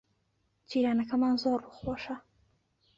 جیرانەکەمان زۆر ڕووخۆشە.